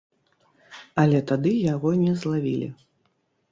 Але тады яго не злавілі.